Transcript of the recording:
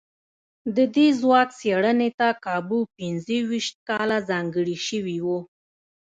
د دې ځواک څېړنې ته کابو پينځو ويشت کاله ځانګړي شوي وو.